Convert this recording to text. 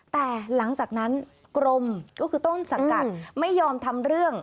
แต่หลังจากนั้นกรมก็คือต้นสังกัดไม่ยอมทำเรื่อง